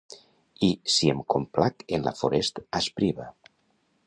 I, si em complac en la forest aspriva.